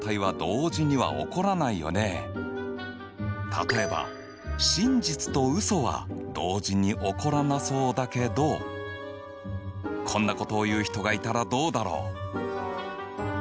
例えば真実とウソは同時に起こらなそうだけどこんなことを言う人がいたらどうだろう？